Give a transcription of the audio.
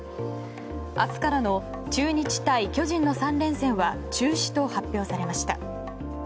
明日からの中日対巨人の３連戦は中止と発表されました。